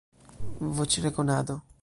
Voĉrekonado